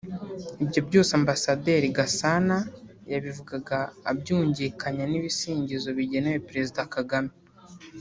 Ibyo byose Ambasaderi Gasana yabivugaga abyungikanya n’ibisingizo bigenewe Perezida Kagame